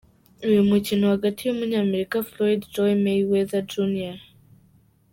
Uyu mukino hagati y’umunyamerika Floyd Joy Mayweather Jr.